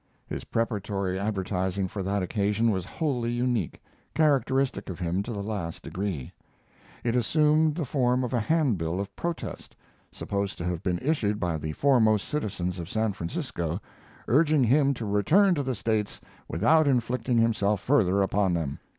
His preparatory advertising for that occasion was wholly unique, characteristic of him to the last degree. It assumed the form of a handbill of protest, supposed to have been issued by the foremost citizens of San Francisco, urging him to return to the States without inflicting himself further upon them.